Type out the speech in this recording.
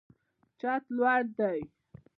چت لوړ دی.